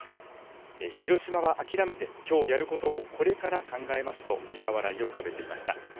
広島は諦めて、きょうやることをこれから考えますと苦笑いを浮かべていました。